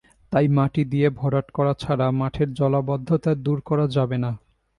তাই মাটি দিয়ে ভরাট করা ছাড়া মাঠের জলাবদ্ধতা দূর করা যাবে না।